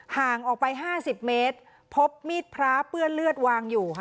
ห่างออกไป๕๐เมตรพบมีดพระเปื้อนเลือดวางอยู่ค่ะ